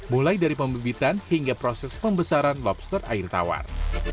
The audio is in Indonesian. mulai dari pembebitan hingga proses pembesaran lobster air tawar